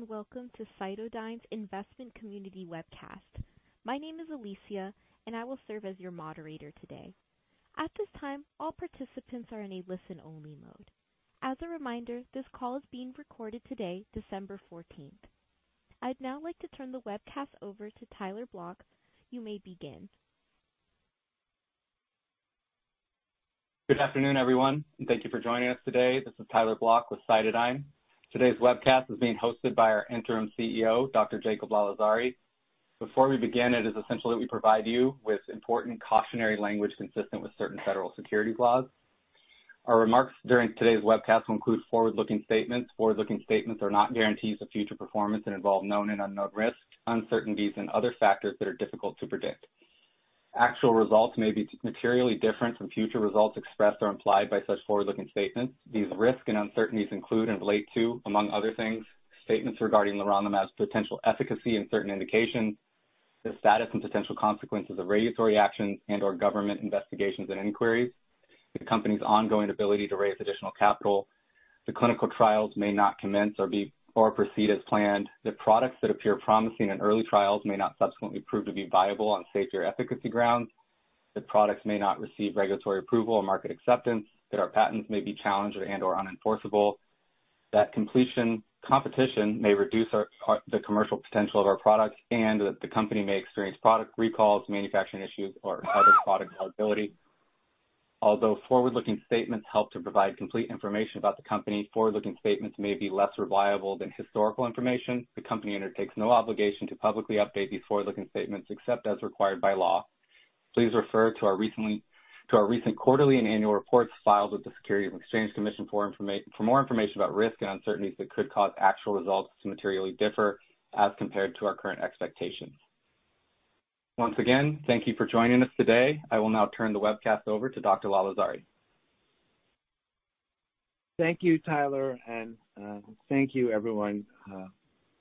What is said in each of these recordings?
Greetings, and welcome to CytoDyn's Investment Community Webcast. My name is Alicia, and I will serve as your moderator today. At this time, all participants are in a listen-only mode. As a reminder, this call is being recorded today, December 14th. I'd now like to turn the webcast over to Tyler Blok. You may begin. Good afternoon, everyone, and thank you for joining us today. This is Tyler Blok with CytoDyn. Today's webcast is being hosted by our Interim CEO, Dr. Jacob Lalezari. Before we begin, it is essential that we provide you with important cautionary language consistent with certain federal securities laws. Our remarks during today's webcast will include forward-looking statements. Forward-looking statements are not guarantees of future performance and involve known and unknown risks, uncertainties, and other factors that are difficult to predict. Actual results may be materially different from future results expressed or implied by such forward-looking statements. These risks and uncertainties include and relate to, among other things, statements regarding the leronlimab's potential efficacy in certain indications, the status and potential consequences of regulatory actions and/or government investigations and inquiries, the company's ongoing ability to raise additional capital, the clinical trials may not commence or be or proceed as planned, the products that appear promising in early trials may not subsequently prove to be viable on safety or efficacy grounds, that products may not receive regulatory approval or market acceptance, that our patents may be challenged and/or unenforceable, that competition may reduce our, the commercial potential of our products, and that the company may experience product recalls, manufacturing issues, or other product liability. Although forward-looking statements help to provide complete information about the company, forward-looking statements may be less reliable than historical information. The company undertakes no obligation to publicly update these forward-looking statements except as required by law. Please refer to our recent quarterly and annual reports filed with the Securities and Exchange Commission for more information about risks and uncertainties that could cause actual results to materially differ as compared to our current expectations. Once again, thank you for joining us today. I will now turn the webcast over to Dr. Lalezari. Thank you, Tyler, and thank you, everyone.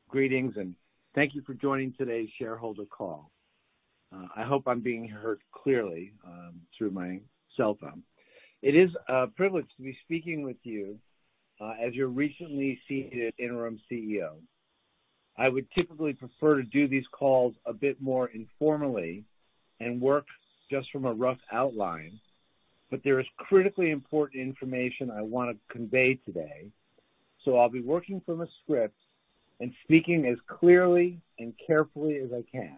Greetings, and thank you for joining today's shareholder call. I hope I'm being heard clearly through my cell phone. It is a privilege to be speaking with you as your recently seated Interim CEO. I would typically prefer to do these calls a bit more informally and work just from a rough outline, but there is critically important information I want to convey today, so I'll be working from a script and speaking as clearly and carefully as I can.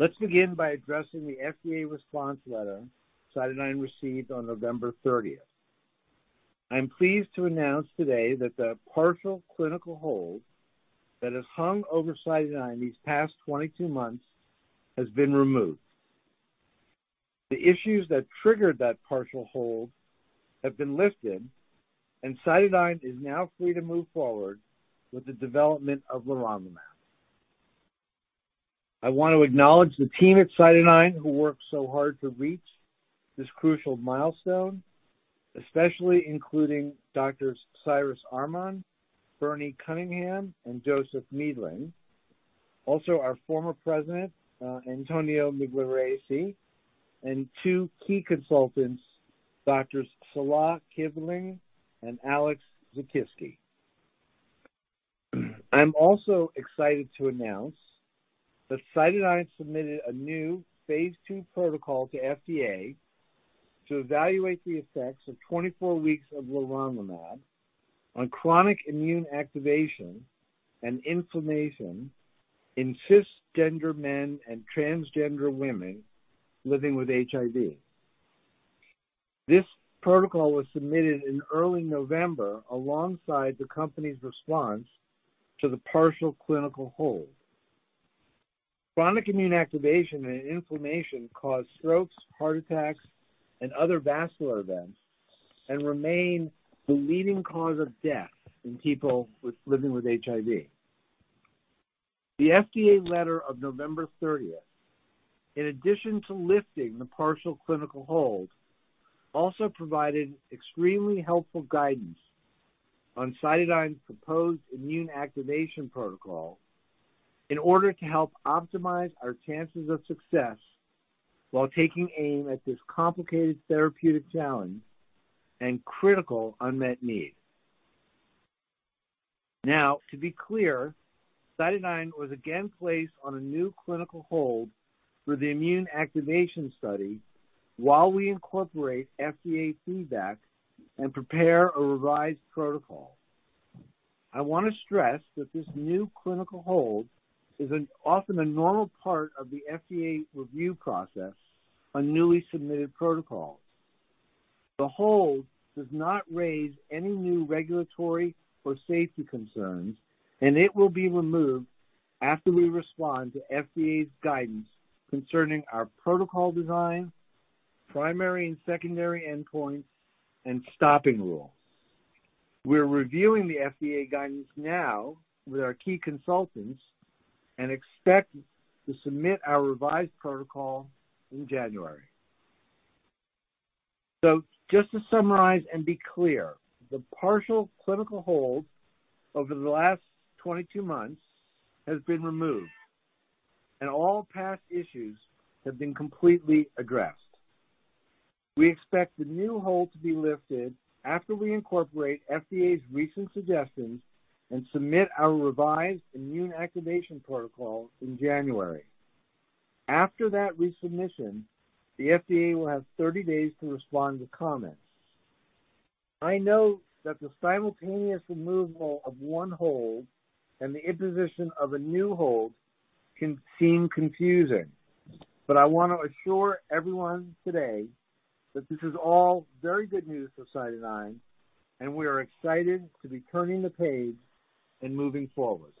Let's begin by addressing the FDA response letter CytoDyn received on November 30th. I'm pleased to announce today that the partial clinical hold that has hung over CytoDyn these past 22 months has been removed. The issues that triggered that partial hold have been lifted, and CytoDyn is now free to move forward with the development of leronlimab. I want to acknowledge the team at CytoDyn who worked so hard to reach this crucial milestone, especially including Doctors Cyrus Arman, Bernie Cunningham, and Joseph Medellin. Also, our former president, Antonio Migliarese, and two key consultants, Doctors Salah Kivlighn and Alex Zuchowski. I'm also excited to announce that CytoDyn submitted a new phase II protocol to FDA to evaluate the effects of 24 weeks of leronlimab on chronic immune activation and inflammation in cisgender men and transgender women living with HIV. This protocol was submitted in early November alongside the company's response to the partial clinical hold. Chronic immune activation and inflammation cause strokes, heart attacks, and other vascular events, and remain the leading cause of death in people with, living with HIV. The FDA letter of November 30th, in addition to lifting the partial clinical hold, also provided extremely helpful guidance on CytoDyn's proposed immune activation protocol in order to help optimize our chances of success while taking aim at this complicated therapeutic challenge and critical unmet need. Now, to be clear, CytoDyn was again placed on a new clinical hold for the immune activation study while we incorporate FDA feedback and prepare a revised protocol. I want to stress that this new clinical hold is often a normal part of the FDA review process on newly submitted protocols. The hold does not raise any new regulatory or safety concerns, and it will be removed after we respond to FDA's guidance concerning our protocol design, primary and secondary endpoints, and stopping rule. We're reviewing the FDA guidance now with our key consultants and expect to submit our revised protocol in January. Just to summarize and be clear, the partial clinical hold over the last 22 months has been removed, and all past issues have been completely addressed. We expect the new hold to be lifted after we incorporate FDA's recent suggestions and submit our revised immune activation protocol in January. After that resubmission, the FDA will have 30 days to respond to comments. I know that the simultaneous removal of one hold and the imposition of a new hold can seem confusing, but I want to assure everyone today that this is all very good news for CytoDyn, and we are excited to be turning the page and moving forward.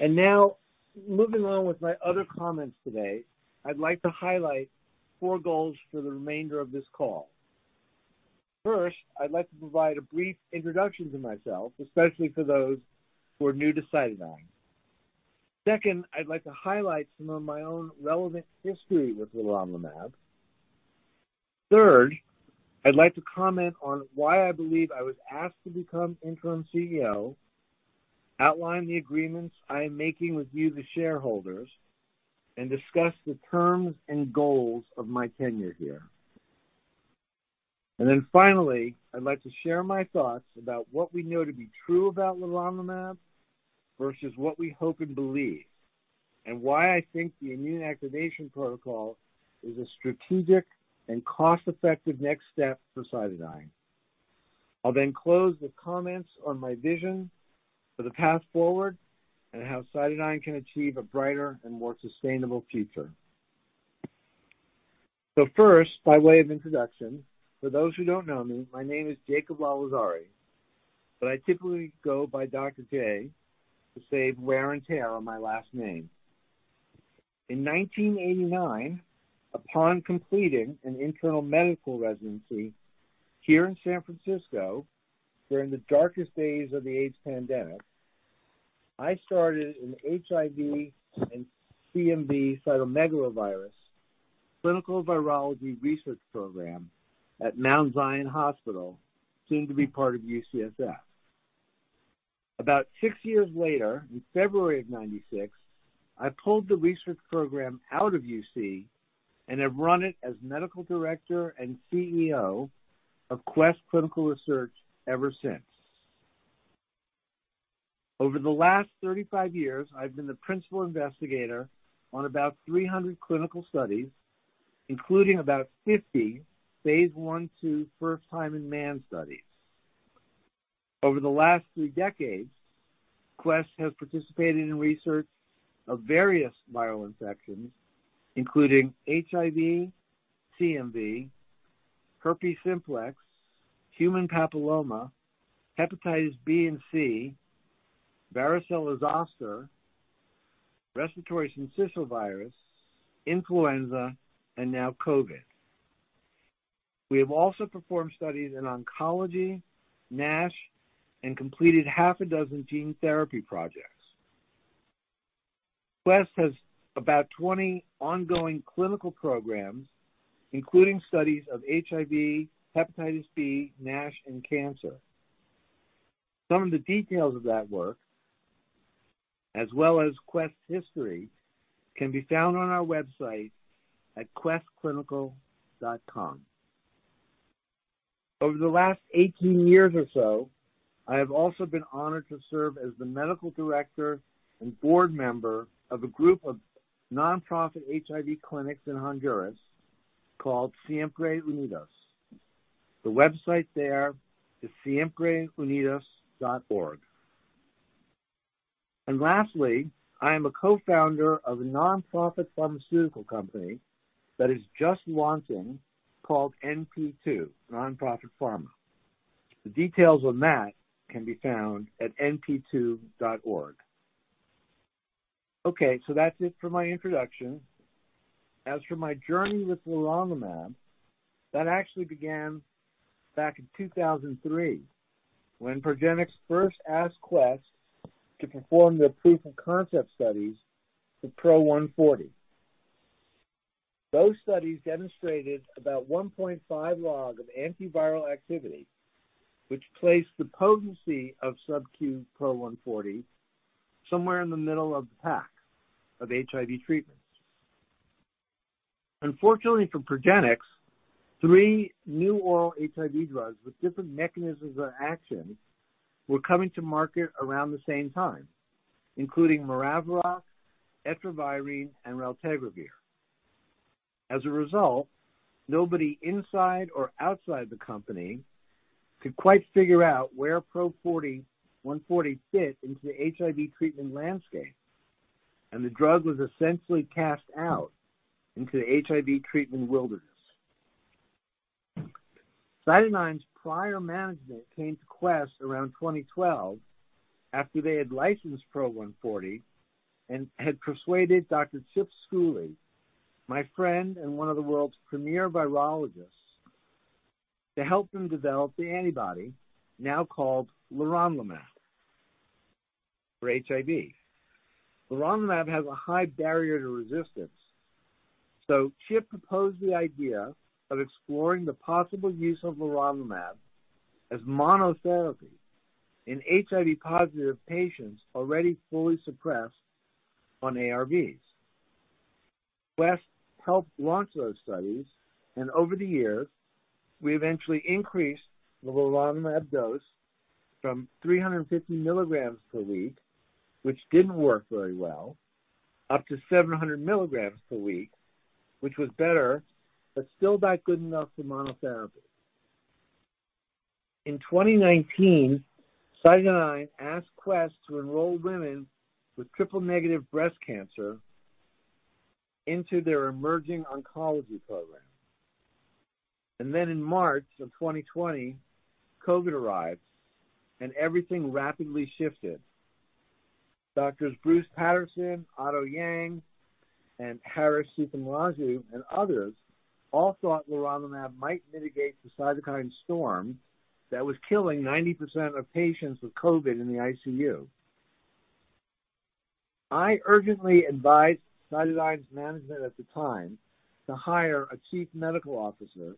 Now, moving on with my other comments today, I'd like to highlight four goals for the remainder of this call. First, I'd like to provide a brief introduction to myself, especially for those who are new to CytoDyn. Second, I'd like to highlight some of my own relevant history with leronlimab. Third, I'd like to comment on why I believe I was asked to become Interim CEO, outline the agreements I am making with you, the shareholders, and discuss the terms and goals of my tenure here. And then finally, I'd like to share my thoughts about what we know to be true about leronlimab versus what we hope and believe, and why I think the immune activation protocol is a strategic and cost-effective next step for CytoDyn. I'll then close with comments on my vision for the path forward and how CytoDyn can achieve a brighter and more sustainable future. So first, by way of introduction, for those who don't know me, my name is Jacob Lalezari, but I typically go by Dr. Jay to save wear and tear on my last name. In 1989, upon completing an internal medical residency here in San Francisco, during the darkest days of the AIDS pandemic, I started an HIV and CMV cytomegalovirus, clinical virology research program at Mount Zion Hospital, soon to be part of UCSF. About 6 years later, in February of 1996, I pulled the research program out of UC and have run it as Medical Director and CEO of Quest Clinical Research ever since. Over the last 35 years, I've been the principal investigator on about 300 clinical studies, including about 50 phase I, II first-time-in-man studies. Over the last 3 decades, Quest has participated in research of various viral infections, including HIV, CMV, herpes simplex, human papilloma, hepatitis B and C, varicella zoster, respiratory syncytial virus, influenza, and now COVID. We have also performed studies in oncology, NASH, and completed 6 gene therapy projects. Quest has about 20 ongoing clinical programs, including studies of HIV, hepatitis B, NASH, and cancer. Some of the details of that work, as well as Quest's history, can be found on our website at questclinical.com. Over the last 18 years or so, I have also been honored to serve as the medical director and board member of a group of nonprofit HIV clinics in Honduras called Siempre Unidos. The website there is siempreunidos.org. And lastly, I am a co-founder of a nonprofit pharmaceutical company that is just launching, called NP2, Nonprofit Pharma. The details on that can be found at np2.org. Okay, so that's it for my introduction. As for my journey with leronlimab, that actually began back in 2003, when Progenics first asked Quest to perform their proof of concept studies with PRO 140. Those studies demonstrated about 1.5 log of antiviral activity, which placed the potency of subQ PRO 140 somewhere in the middle of the pack of HIV treatments. Unfortunately for Progenics, three new oral HIV drugs with different mechanisms of action were coming to market around the same time, including maraviroc, etravirine, and raltegravir. As a result, nobody inside or outside the company could quite figure out where PRO 140 fit into the HIV treatment landscape, and the drug was essentially cast out into the HIV treatment wilderness. CytoDyn's prior management came to Quest around 2012 after they had licensed PRO 140 and had persuaded Dr. Chip Schooley, my friend and one of the world's premier virologists, to help them develop the antibody, now called leronlimab, for HIV. Leronlimab has a high barrier to resistance, so Chip proposed the idea of exploring the possible use of leronlimab as monotherapy.... in HIV-positive patients already fully suppressed on ARVs. Quest helped launch those studies, and over the years, we eventually increased the leronlimab dose from 350 mg per week, which didn't work very well, up to 700 mg per week, which was better, but still not good enough for monotherapy. In 2019, CytoDyn asked Quest to enroll women with triple-negative breast cancer into their emerging oncology program. Then in March of 2020, COVID arrived, and everything rapidly shifted. Doctors Bruce Patterson, Otto Yang, and Harrish Seethamraju, and others all thought leronlimab might mitigate the cytokine storm that was killing 90% of patients with COVID in the ICU. I urgently advised CytoDyn's management at the time to hire a chief medical officer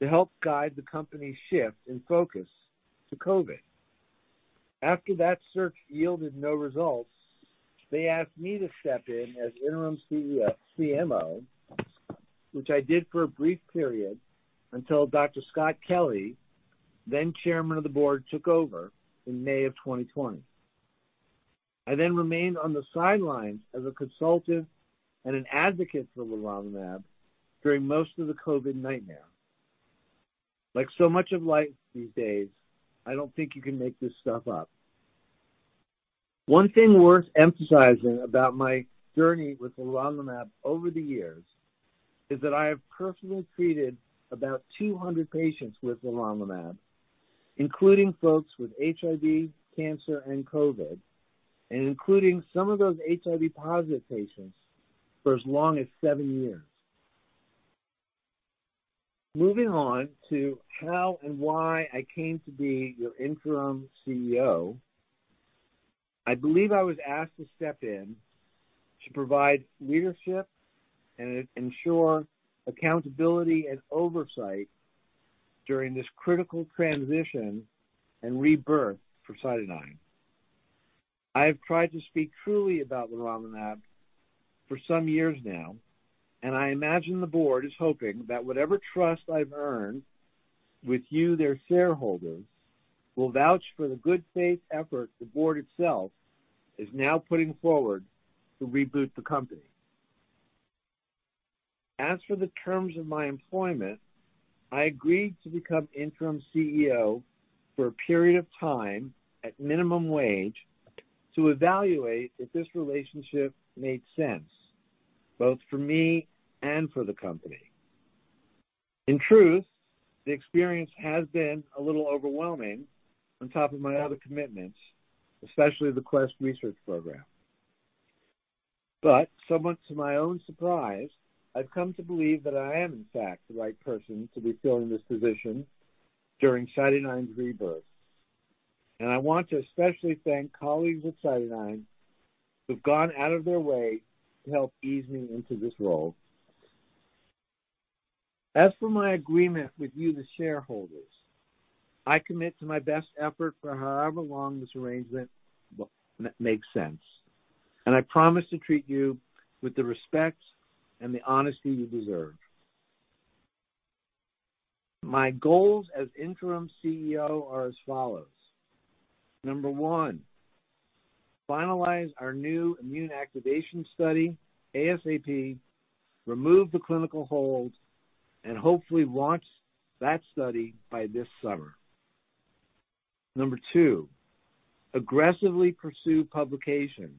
to help guide the company's shift in focus to COVID. After that search yielded no results, they asked me to step in as Interim CMO, which I did for a brief period until Dr. Scott Kelly, then chairman of the board, took over in May of 2020. I then remained on the sidelines as a consultant and an advocate for leronlimab during most of the COVID nightmare. Like so much of life these days, I don't think you can make this stuff up. One thing worth emphasizing about my journey with leronlimab over the years is that I have personally treated about 200 patients with leronlimab, including folks with HIV, cancer, and COVID, and including some of those HIV-positive patients for as long as seven years. Moving on to how and why I came to be your Interim CEO. I believe I was asked to step in to provide leadership and ensure accountability and oversight during this critical transition and rebirth for CytoDyn. I have tried to speak truly about leronlimab for some years now, and I imagine the board is hoping that whatever trust I've earned with you, their shareholders, will vouch for the good faith effort the board itself is now putting forward to reboot the company. As for the terms of my employment, I agreed to become Interim CEO for a period of time at minimum wage, to evaluate if this relationship made sense, both for me and for the company. In truth, the experience has been a little overwhelming on top of my other commitments, especially the Quest research program. But so much to my own surprise, I've come to believe that I am, in fact, the right person to be filling this position during CytoDyn's rebirth. And I want to especially thank colleagues at CytoDyn who've gone out of their way to help ease me into this role. As for my agreement with you, the shareholders, I commit to my best effort for however long this arrangement makes sense, and I promise to treat you with the respect and the honesty you deserve. My goals as Interim CEO are as follows: number one, finalize our new immune activation study ASAP, remove the clinical hold, and hopefully launch that study by this summer. Number two, aggressively pursue publication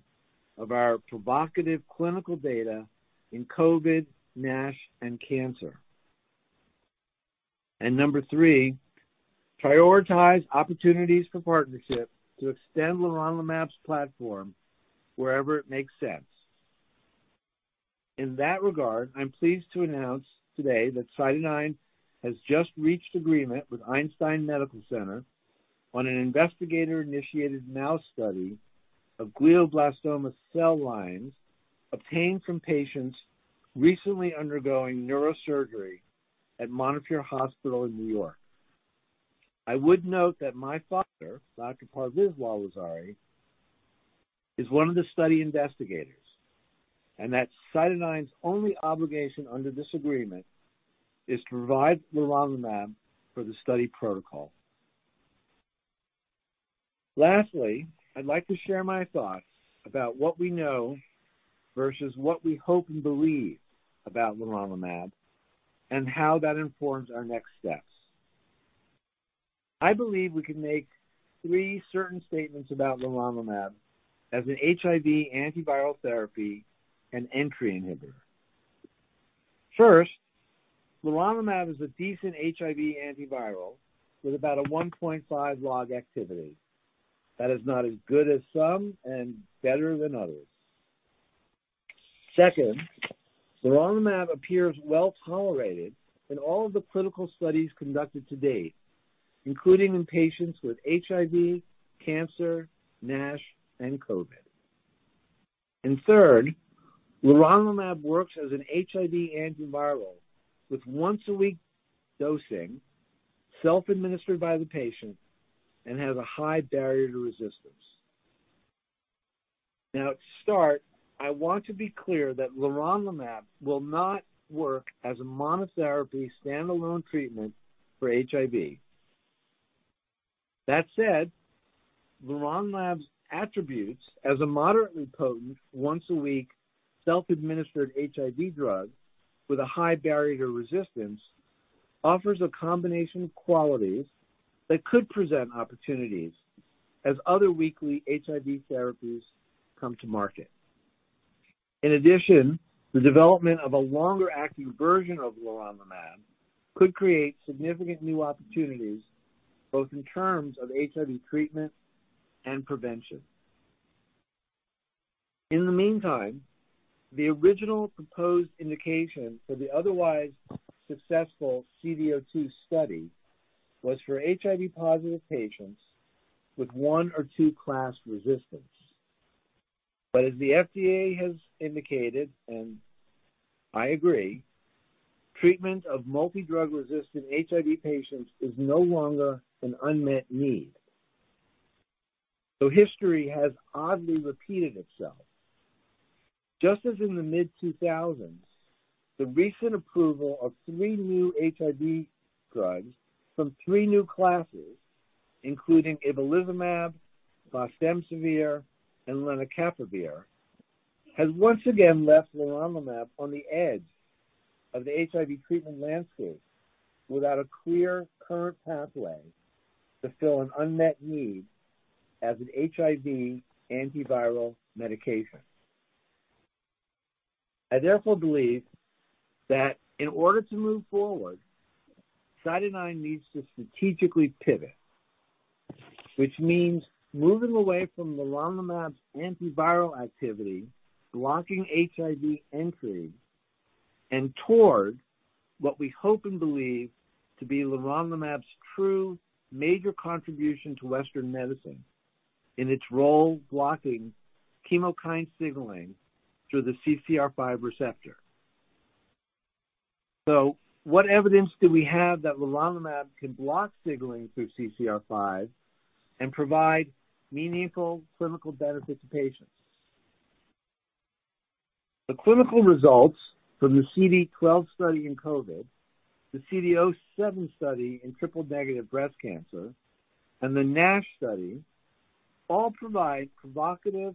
of our provocative clinical data in COVID, NASH, and cancer. And number three, prioritize opportunities for partnership to extend leronlimab's platform wherever it makes sense. In that regard, I'm pleased to announce today that CytoDyn has just reached agreement with Einstein Medical Center on an investigator-initiated mouse study of glioblastoma cell lines obtained from patients recently undergoing neurosurgery at Montefiore Hospital in New York. I would note that my father, Dr. Parviz Lalezari, is one of the study investigators, and that CytoDyn's only obligation under this agreement is to provide leronlimab for the study protocol. Lastly, I'd like to share my thoughts about what we know versus what we hope and believe about leronlimab and how that informs our next steps. I believe we can make three certain statements about leronlimab as an HIV antiviral therapy and entry inhibitor. First, leronlimab is a decent HIV antiviral with about a 1.5 log activity. That is not as good as some and better than others. Second, leronlimab appears well tolerated in all of the clinical studies conducted to date, including in patients with HIV, cancer, NASH, and COVID. And third, leronlimab works as an HIV antiviral with once-a-week dosing, self-administered by the patient, and has a high barrier to resistance. Now, to start, I want to be clear that leronlimab will not work as a monotherapy standalone treatment for HIV. That said, leronlimab's attributes as a moderately potent, once a week, self-administered HIV drug with a high barrier to resistance, offers a combination of qualities that could present opportunities as other weekly HIV therapies come to market. In addition, the development of a longer-acting version of leronlimab could create significant new opportunities, both in terms of HIV treatment and prevention. In the meantime, the original proposed indication for the otherwise successful CD002 study was for HIV-positive patients with one or two class resistance. But as the FDA has indicated, and I agree, treatment of multidrug-resistant HIV patients is no longer an unmet need. So history has oddly repeated itself. Just as in the mid-2000s, the recent approval of three new HIV drugs from three new classes, including ibalizumab, fostemsavir, and lenacapavir, has once again left leronlimab on the edge of the HIV treatment landscape without a clear current pathway to fill an unmet need as an HIV antiviral medication. I therefore believe that in order to move forward, CytoDyn needs to strategically pivot, which means moving away from leronlimab's antiviral activity, blocking HIV entry, and toward what we hope and believe to be leronlimab's true major contribution to Western medicine in its role blocking chemokine signaling through the CCR5 receptor. So what evidence do we have that leronlimab can block signaling through CCR5 and provide meaningful clinical benefit to patients? The clinical results from the CD12 study in COVID, the CD07 study in triple-negative breast cancer, and the NASH study all provide provocative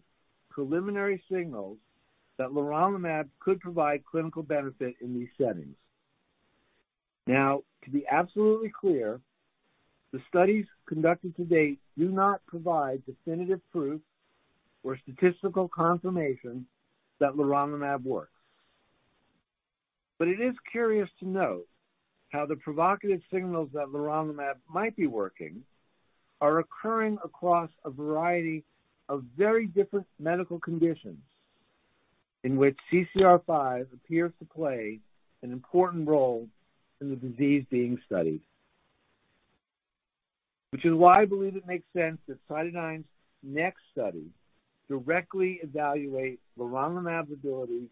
preliminary signals that leronlimab could provide clinical benefit in these settings. Now, to be absolutely clear, the studies conducted to date do not provide definitive proof or statistical confirmation that leronlimab works. But it is curious to note how the provocative signals that leronlimab might be working are occurring across a variety of very different medical conditions in which CCR5 appears to play an important role in the disease being studied. Which is why I believe it makes sense that CytoDyn's next study directly evaluates leronlimab's ability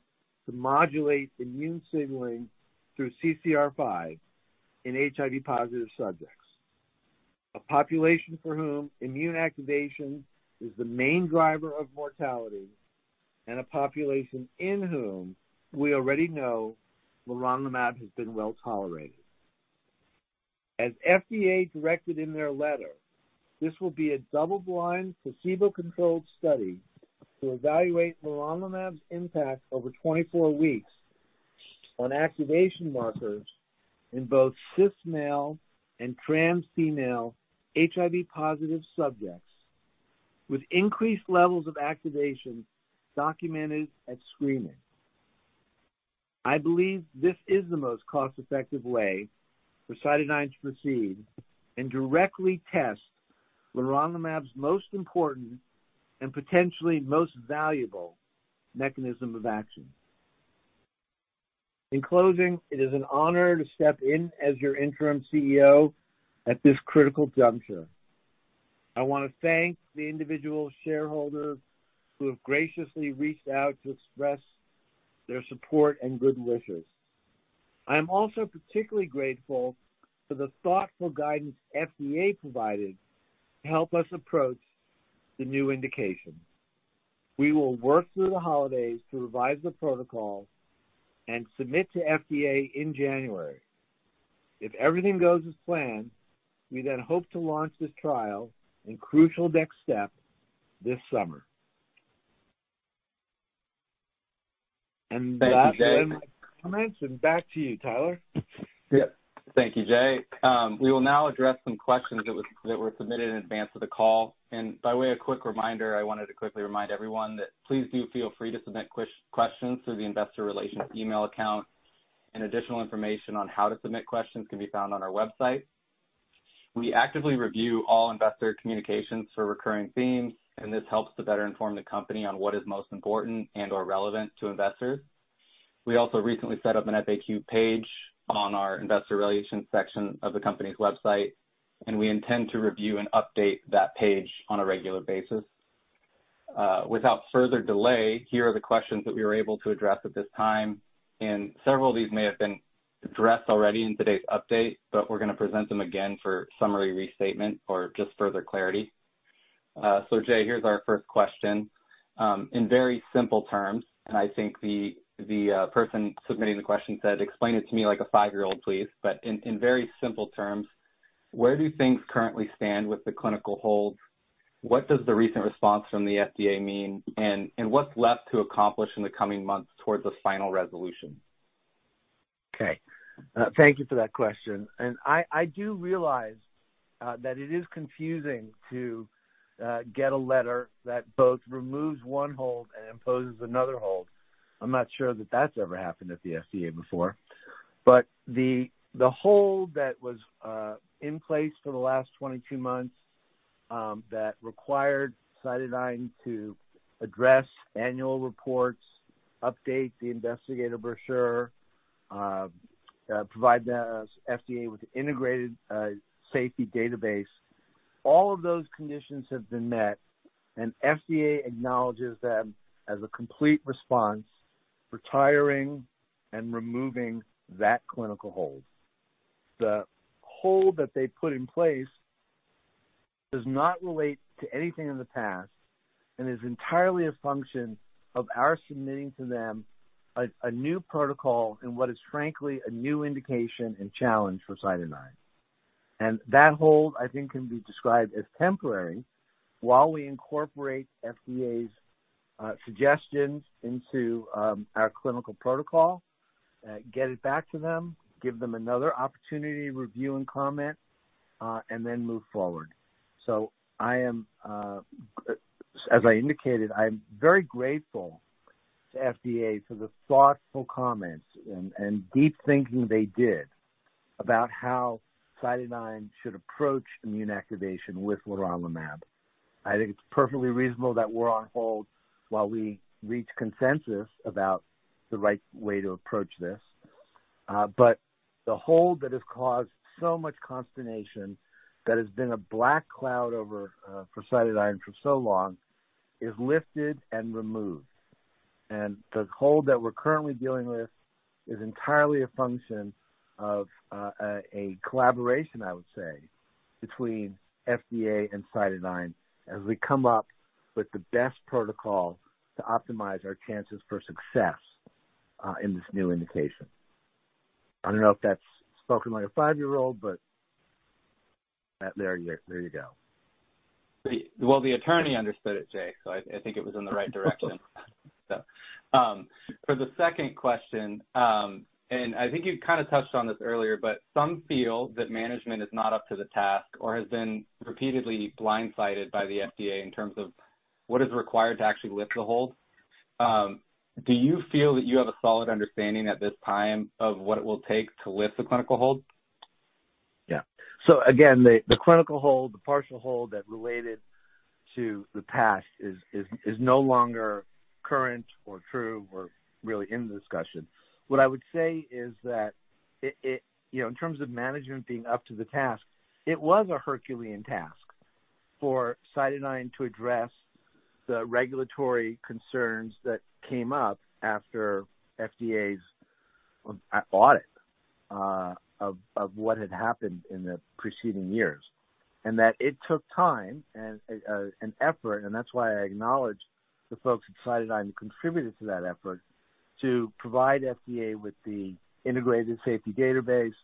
to modulate immune signaling through CCR5 in HIV-positive subjects, a population for whom immune activation is the main driver of mortality, and a population in whom we already know leronlimab has been well tolerated. As FDA directed in their letter, this will be a double-blind, placebo-controlled study to evaluate leronlimab's impact over 24 weeks on activation markers in both cis male and trans female HIV-positive subjects with increased levels of activation documented at screening. I believe this is the most cost-effective way for CytoDyn to proceed and directly test leronlimab's most important and potentially most valuable mechanism of action. In closing, it is an honor to step in as your Interim CEO at this critical juncture. I want to thank the individual shareholders who have graciously reached out to express their support and good wishes. I'm also particularly grateful for the thoughtful guidance FDA provided to help us approach the new indication. We will work through the holidays to revise the protocol and submit to FDA in January. If everything goes as planned, we then hope to launch this trial and crucial next step this summer. Thank you, Jay. Back to you, Tyler. Yep. Thank you, Jay. We will now address some questions that were submitted in advance of the call. By way of quick reminder, I wanted to quickly remind everyone that please do feel free to submit questions through the investor relations email account, and additional information on how to submit questions can be found on our website. We actively review all investor communications for recurring themes, and this helps to better inform the company on what is most important and/or relevant to investors. We also recently set up an FAQ page on our investor relations section of the company's website, and we intend to review and update that page on a regular basis. Without further delay, here are the questions that we were able to address at this time, and several of these may have been addressed already in today's update, but we're going to present them again for summary restatement or just further clarity. So Jay, here's our first question. In very simple terms, and I think the person submitting the question said, "Explain it to me like a five-year-old, please." But in very simple terms, where do things currently stand with the clinical hold? What does the recent response from the FDA mean, and what's left to accomplish in the coming months towards a final resolution? Okay, thank you for that question, and I do realize that it is confusing to get a letter that both removes one hold and imposes another hold. I'm not sure that that's ever happened at the FDA before, but the hold that was in place for the last 22 months that required CytoDyn to address annual reports, update the investigator brochure, provide the FDA with an integrated safety database. All of those conditions have been met, and FDA acknowledges them as a complete response, retiring and removing that clinical hold. The hold that they put in place does not relate to anything in the past and is entirely a function of our submitting to them a new protocol in what is frankly a new indication and challenge for CytoDyn. That hold, I think, can be described as temporary while we incorporate FDA's suggestions into our clinical protocol, get it back to them, give them another opportunity, review, and comment, and then move forward. So I am, as I indicated, I'm very grateful to FDA for the thoughtful comments and deep thinking they did about how CytoDyn should approach immune activation with leronlimab. I think it's perfectly reasonable that we're on hold while we reach consensus about the right way to approach this. But the hold that has caused so much consternation, that has been a black cloud over for CytoDyn for so long, is lifted and removed. The hold that we're currently dealing with is entirely a function of a collaboration, I would say, between FDA and CytoDyn as we come up with the best protocol to optimize our chances for success in this new indication. I don't know if that's spoken like a five-year-old, but there you, there you go. Well, the attorney understood it, Jay, so I, I think it was in the right direction. So, for the second question, and I think you kind of touched on this earlier, but some feel that management is not up to the task or has been repeatedly blindsided by the FDA in terms of what is required to actually lift the hold. Do you feel that you have a solid understanding at this time of what it will take to lift the clinical hold? Yeah. So again, the clinical hold, the partial hold that related to the past is no longer current or true or really in the discussion. What I would say is that it, you know, in terms of management being up to the task, it was a Herculean task for CytoDyn to address the regulatory concerns that came up after FDA's audit of what had happened in the preceding years, and that it took time and an effort, and that's why I acknowledge the folks at CytoDyn contributed to that effort to provide FDA with the integrated safety database,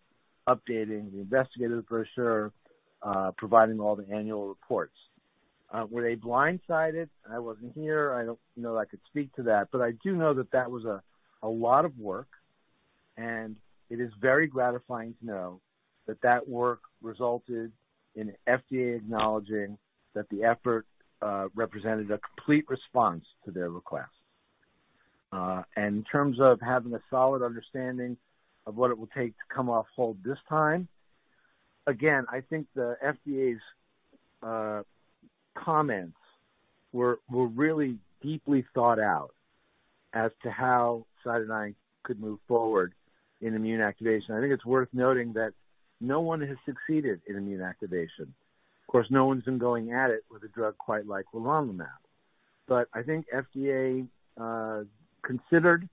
updating the investigator brochure, providing all the annual reports. Were they blindsided? I wasn't here. I don't know that I could speak to that, but I do know that that was a lot of work, and it is very gratifying to know that that work resulted in FDA acknowledging that the effort represented a complete response to their request. And in terms of having a solid understanding of what it will take to come off hold this time, again, I think the FDA's comments were really deeply thought out as to how CytoDyn could move forward in immune activation. I think it's worth noting that no one has succeeded in immune activation. Of course, no one's been going at it with a drug quite like leronlimab, but I think FDA considered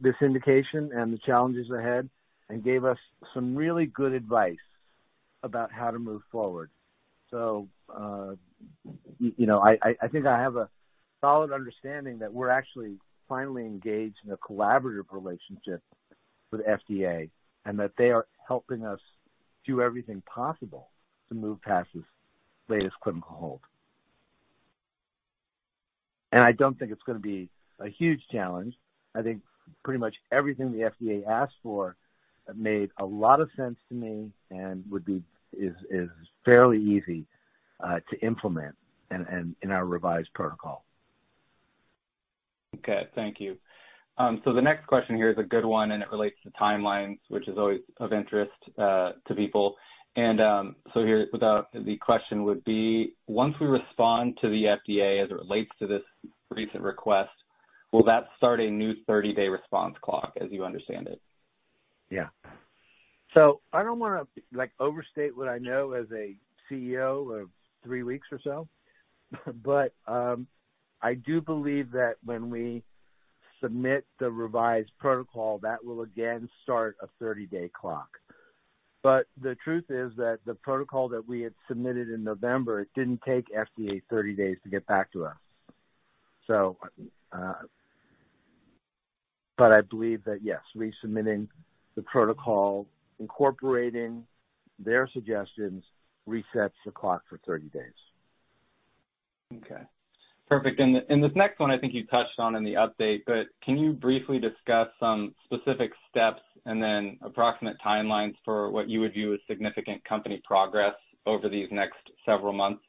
this indication and the challenges ahead and gave us some really good advice about how to move forward. So, you know, I think I have a solid understanding that we're actually finally engaged in a collaborative relationship with FDA and that they are helping us do everything possible to move past this latest clinical hold. And I don't think it's going to be a huge challenge. I think pretty much everything the FDA asked for made a lot of sense to me and would be, is fairly easy to implement in our revised protocol. Okay. Thank you. So the next question here is a good one, and it relates to timelines, which is always of interest to people. And so here, without... The question would be, once we respond to the FDA as it relates to this recent request, will that start a new 30-day response clock, as you understand it? Yeah... So I don't wanna, like, overstate what I know as a CEO of three weeks or so, but I do believe that when we submit the revised protocol, that will again start a 30-day clock. But the truth is that the protocol that we had submitted in November, it didn't take FDA 30 days to get back to us. So, but I believe that, yes, resubmitting the protocol, incorporating their suggestions, resets the clock for 30 days. Okay, perfect. And, and this next one I think you touched on in the update, but can you briefly discuss some specific steps and then approximate timelines for what you would view as significant company progress over these next several months?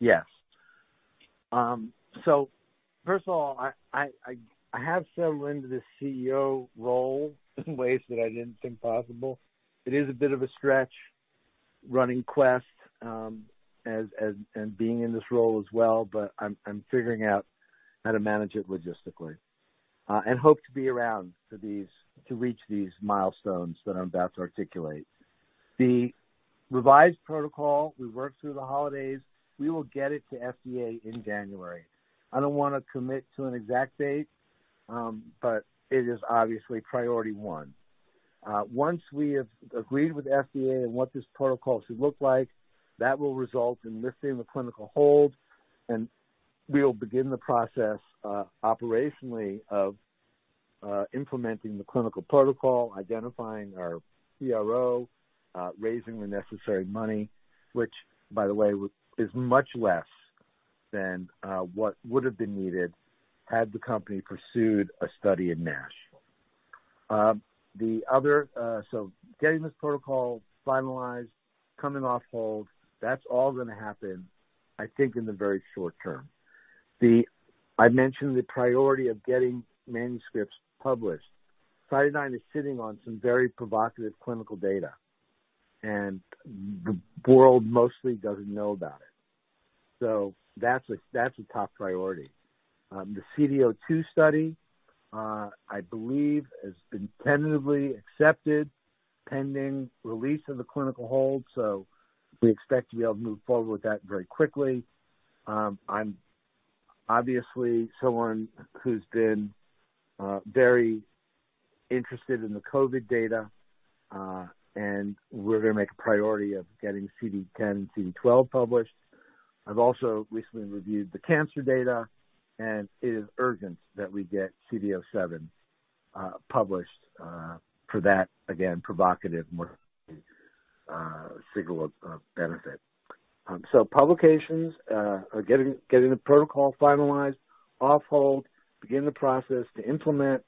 Yes. So first of all, I have settled into this CEO role in ways that I didn't think possible. It is a bit of a stretch running Quest, as and being in this role as well, but I'm figuring out how to manage it logistically, and hope to be around to reach these milestones that I'm about to articulate. The revised protocol, we worked through the holidays. We will get it to FDA in January. I don't wanna commit to an exact date, but it is obviously priority one. Once we have agreed with FDA on what this protocol should look like, that will result in lifting the clinical hold, and we will begin the process operationally of implementing the clinical protocol, identifying our CRO, raising the necessary money, which, by the way, is much less than what would have been needed had the company pursued a study in NASH. So getting this protocol finalized, coming off hold, that's all gonna happen, I think, in the very short term. I mentioned the priority of getting manuscripts published. CytoDyn is sitting on some very provocative clinical data, and the world mostly doesn't know about it, so that's a top priority. The CD002 study, I believe, has been tentatively accepted, pending release of the clinical hold, so we expect to be able to move forward with that very quickly. I'm obviously someone who's been very interested in the COVID data, and we're gonna make a priority of getting CD10 and CD12 published. I've also recently reviewed the cancer data, and it is urgent that we get CD07 published for that, again, provocative signal of benefit. So publications are getting the protocol finalized, off hold, begin the process to implement,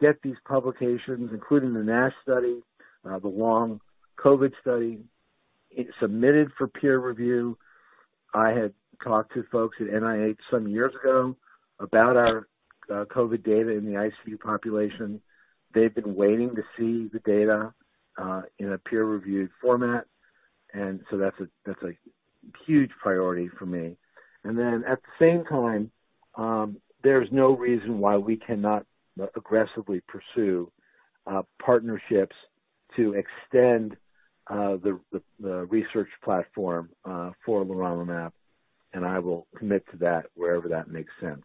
get these publications, including the NASH study, the long COVID study, it's submitted for peer review. I had talked to folks at NIH some years ago about our COVID data in the ICU population. They've been waiting to see the data in a peer-reviewed format, and so that's a huge priority for me. And then at the same time, there's no reason why we cannot aggressively pursue partnerships to extend the research platform for leronlimab, and I will commit to that wherever that makes sense.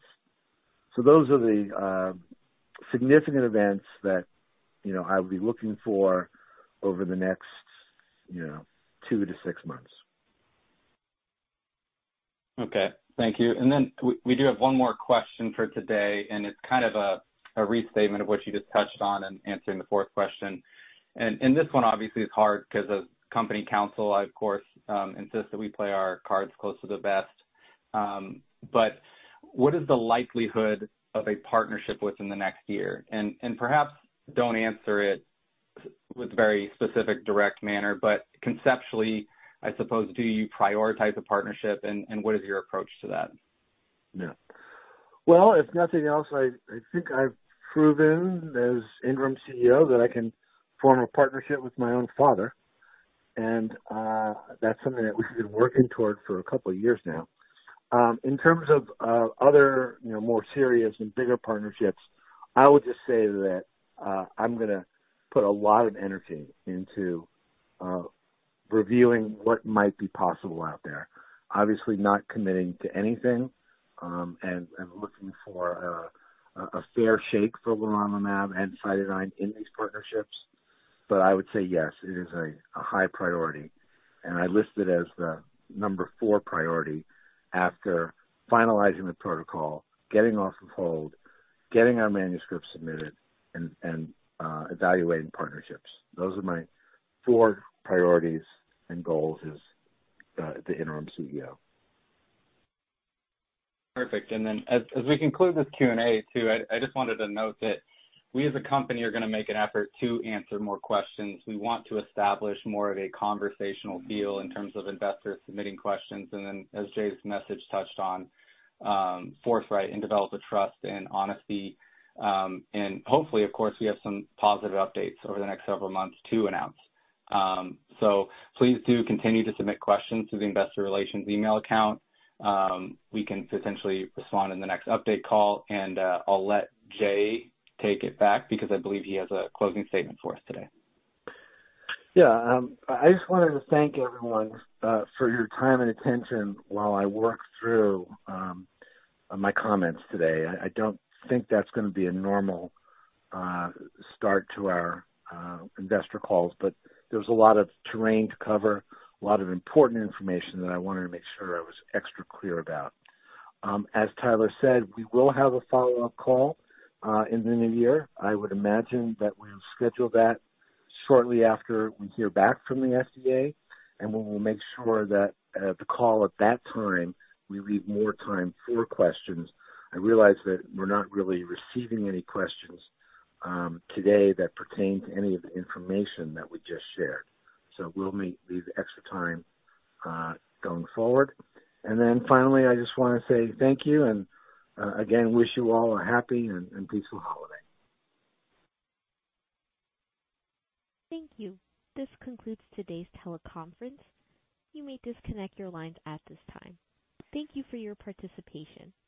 So those are the significant events that, you know, I will be looking for over the next, you know, two to six months. Okay. Thank you. And then we do have one more question for today, and it's kind of a restatement of what you just touched on in answering the fourth question. And this one obviously is hard because as company counsel, I, of course, insist that we play our cards close to the vest. But what is the likelihood of a partnership within the next year? And perhaps don't answer it with very specific, direct manner, but conceptually, I suppose, do you prioritize a partnership, and what is your approach to that? Yeah. Well, if nothing else, I think I've proven as Interim CEO that I can form a partnership with my own father, and that's something that we've been working toward for a couple of years now. In terms of other, you know, more serious and bigger partnerships, I would just say that I'm gonna put a lot of energy into reviewing what might be possible out there. Obviously, not committing to anything, and looking for a fair shake for leronlimab and CytoDyn in these partnerships. But I would say, yes, it is a high priority, and I list it as the number four priority after finalizing the protocol, getting off of hold, getting our manuscripts submitted, and evaluating partnerships. Those are my four priorities and goals as the Interim CEO. Perfect. And then as we conclude this Q&A, too, I just wanted to note that we as a company are gonna make an effort to answer more questions. We want to establish more of a conversational feel in terms of investors submitting questions, and then, as Jay's message touched on, forthright and develop a trust and honesty. And hopefully, of course, we have some positive updates over the next several months to announce. So please do continue to submit questions to the investor relations email account. We can potentially respond in the next update call, and I'll let Jay take it back because I believe he has a closing statement for us today. Yeah, I just wanted to thank everyone for your time and attention while I worked through my comments today. I don't think that's gonna be a normal start to our investor calls, but there was a lot of terrain to cover, a lot of important information that I wanted to make sure I was extra clear about. As Tyler said, we will have a follow-up call in the new year. I would imagine that we'll schedule that shortly after we hear back from the FDA, and we will make sure that, at the call at that time, we leave more time for questions. I realize that we're not really receiving any questions today that pertain to any of the information that we just shared, so we'll meet, leave extra time going forward. And then finally, I just wanna say thank you, and again, wish you all a happy and peaceful holiday. Thank you. This concludes today's teleconference. You may disconnect your lines at this time. Thank you for your participation.